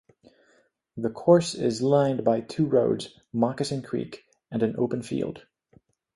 The course is lined by two roads, Moccasin Creek, and an open field.